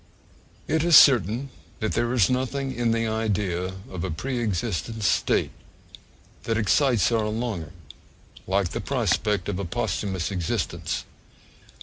It is certain that there is nothing in the idea of a pre existent state that excites our longing like the prospect of a posthumous existence.